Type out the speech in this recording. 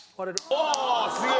おおすげえ！